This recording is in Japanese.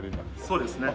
そうですね。